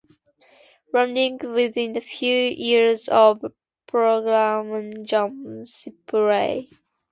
Landing within a few yards of ploughman John Shipley.